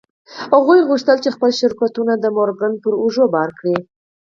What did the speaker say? هغوی غوښتل خپل شرکتونه د مورګان پر اوږو بار کړي